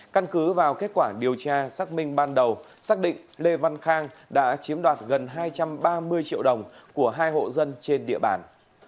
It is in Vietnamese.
căn cứ vào kết quả điều tra xác minh ban đầu xác định lê văn khang đã chiếm đoạt gần hai trăm ba mươi triệu đồng của hai hộ dân trên địa bàn